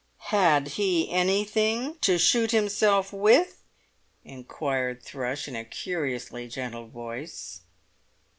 "Had he anything to shoot himself with?" inquired Thrush, in a curiously gentle voice.